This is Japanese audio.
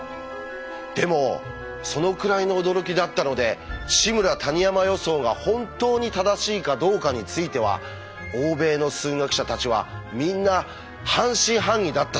でもそのくらいの驚きだったので「志村−谷山予想」が本当に正しいかどうかについては欧米の数学者たちはみんな半信半疑だったそうです。